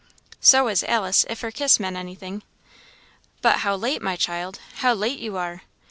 So was Alice, if her kiss meant anything. "But how late, my child! how late you are!"